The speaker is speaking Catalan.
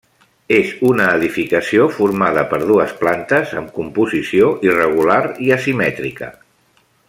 És una edificació formada per dues plantes amb composició irregular i asimètrica.